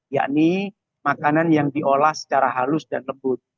yakni makanan yang diolah secara halus dan lembut